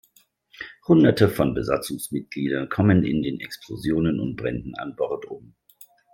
Hunderte von Besatzungsmitgliedern kommen in den Explosionen und Bränden an Bord um.